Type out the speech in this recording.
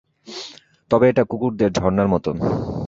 তবে এটা কুকুরদের ঝরণার মতো।